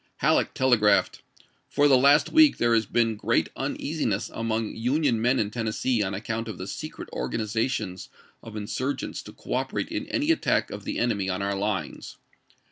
Halleck telegraphed :" For the last week there has been great uneasiness among Union men in Ten nessee on account of the secret organizations of in surgents to cooperate in any attack of the enemy on our lines.